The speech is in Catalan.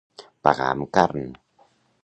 Pagar amb carn.